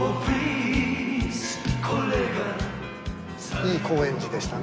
いい高円寺でしたね。